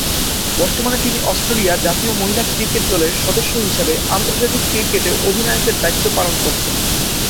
বর্তমানে তিনি অস্ট্রেলিয়া জাতীয় মহিলা ক্রিকেট দলের সদস্য হিসেবে আন্তর্জাতিক ক্রিকেটে অধিনায়কের দায়িত্ব পালন করছেন।